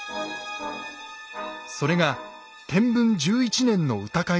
それが天文１１年の歌会です。